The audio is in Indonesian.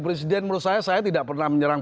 presiden menurut saya saya tidak pernah menyerang